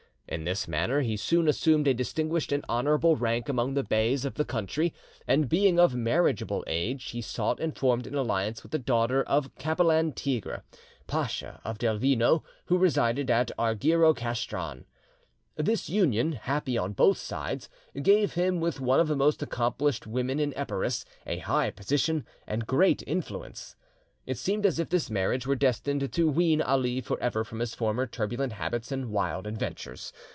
In this manner he soon assumed a distinguished and honourable rank among the beys of the country, and being of marriageable age, he sought and formed an alliance with the daughter of Capelan Tigre, Pacha of Delvino, who resided at Argyro Castron. This union, happy on both sides, gave him, with one of the most accomplished women in Epirus, a high position and great influence. It seemed as if this marriage were destined to wean Ali forever from his former turbulent habits and wild adventures.